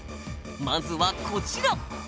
まずはこちら。